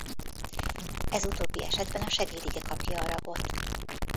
Ez utóbbi esetben a segédige kapja a ragot.